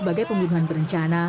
sebagai pembunuhan berencana